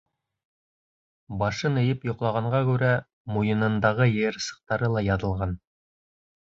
Башын эйеп йоҡлағанға күрә, муйынындағы йыйырсыҡтары ла яҙылған.